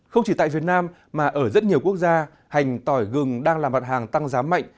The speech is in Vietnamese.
không chỉ tại việt nam mà ở rất nhiều quốc gia hành tỏi gừng đang làm mặt hàng tăng giá mạnh